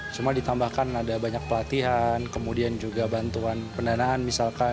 cuma ditambahkan ada banyak pelatihan kemudian juga bantuan pendanaan misalkan